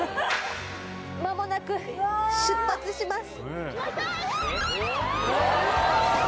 まもなく出発します。